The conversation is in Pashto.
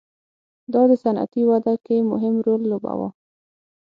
دا د صنعتي وده کې مهم رول ولوباوه.